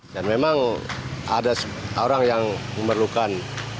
dan memang ada orang yang memerlukan